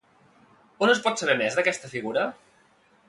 On es pot saber més d'aquesta figura?